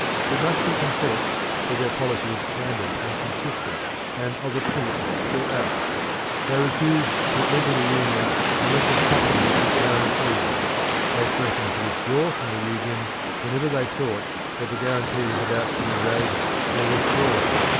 It must be confessed that their policy was candid and consistent, and of a piece throughout. They refused to enter the Union unless their property was guaranteed; they threatened to withdraw from the Union whenever they thought that the guarantee was about to be evaded or withdrawn.